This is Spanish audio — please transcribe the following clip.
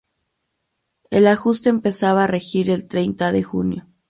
El ajuste empezaba a regir el treinta de junio.